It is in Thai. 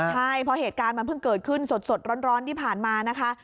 ใช่เพราะเหตุการณ์มันเพิ่งเกิดขึ้นสดร้อนที่ผ่านมานะคะ